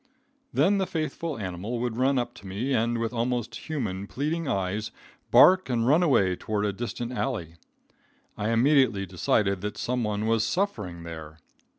Then the faithful animal would run up to me and with almost human, pleading eyes, bark and run away toward a distant alley. I immediately decided that some one was suffering there.